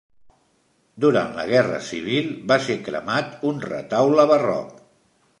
Durant la Guerra Civil va ser cremat un retaule barroc.